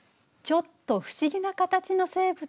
ちょっと不思議な形の生物？